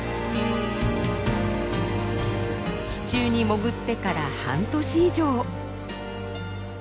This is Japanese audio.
地中に潜ってから半年以上。